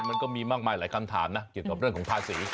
มันก็มีมากมายหลายคำถามนะเกี่ยวกับเรื่องของภาษี